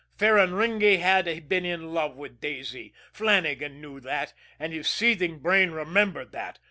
Ferraringi had been in love with Daisy. Flannagan knew that, and his seething brain remembered that.